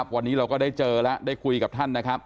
วันนี้เราก็ได้เจอแล้วได้คุยกับท่านนะครับ